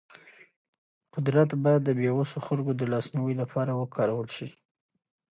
قدرت باید د بې وسو خلکو د لاسنیوي لپاره وکارول شي.